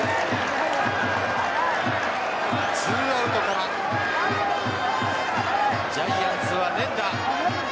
２アウトからジャイアンツは連打。